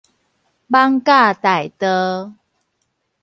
艋舺大道